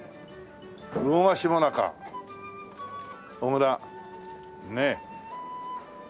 「魚がし最中」「小倉」ねえ。